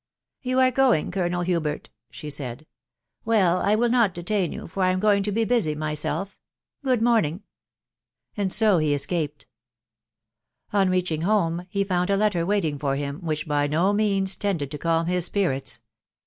You are going, Colonel Hubert ?" she said. " Well, I h h 3 Ct 470 THS WIDOW BAKXABT. will not detain you, for I am going to be busy myself — good morning." And so be escaped. On reaching home, be found a letter waiting fbr bhn, wbidi by no means tended to calm bis spirits.